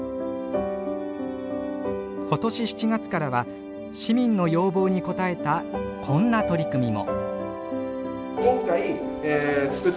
今年７月からは市民の要望に応えたこんな取り組みも。